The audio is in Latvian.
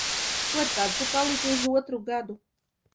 Ko tad tu paliki uz otru gadu?